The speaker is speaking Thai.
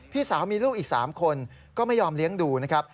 พี่สาวมีลูกอีก๓คนก็ไม่ยอมเลี้ยงดูนะครับ